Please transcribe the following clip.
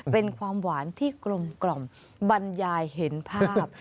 เป็นความหวานที่กลมบรรยายเห็นภาพ